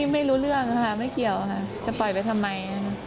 ไม่รู้เรื่องค่ะไม่เกี่ยวค่ะจะปล่อยไปทำไม